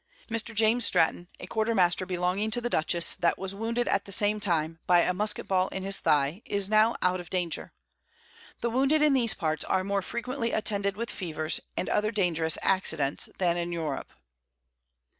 Mr. James Stratton, a Quarter Master belonging to the Dutchess, that was wounded at the same time, by a Musket Ball in his Thigh, is now out of Danger, The wounded in these Parts, are more frequently attended with Fevers, and other dangerous Accidents, than in Europe.